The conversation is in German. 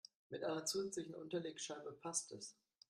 Mit einer zusätzlichen Unterlegscheibe passt es.